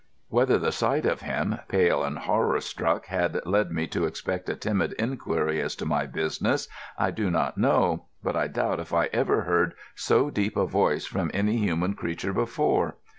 Whether the sight of him pale and horror struck had led me to expect a timid inquiry as to my business, I do not know, but I doubt if I ever heard so deep a voice from any human creature before.